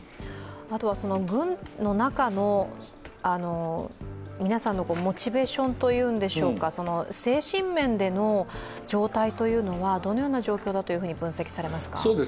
あとは軍の中の皆さんのモチベーションというんでしょうか、精神面での状態というのはどのような状況だと分析されますか？